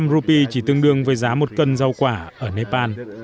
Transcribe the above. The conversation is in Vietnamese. một trăm linh rupi chỉ tương đương với giá một cân rau quả ở nepal